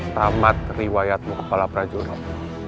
tamat riwayatmu kepala prajurit